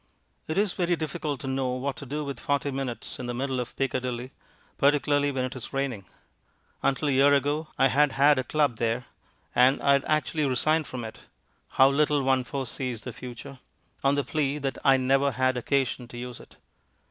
It is very difficult to know what to do with forty minutes in the middle of Piccadilly, particularly when it is raining. Until a year ago I had had a club there, and I had actually resigned from it (how little one foresees the future!) on the plea that I never had occasion to use it.